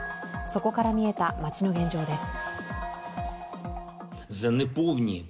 そこから見えた街の現状です。